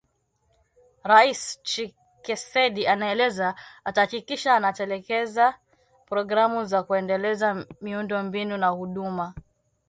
Rais Tshisekedi anaeleza atahakikisha anatekeleza programu za kuendeleza miundo mbinu na huduma